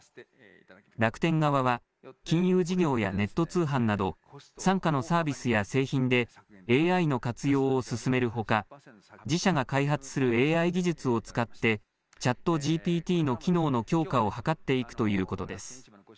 楽天側は、金融事業やネット通販など、傘下のサービスや製品でＡＩの活用を進めるほか、自社が開発するＡＩ技術を使って、ＣｈａｔＧＰＴの機能の強化を図っていくということです。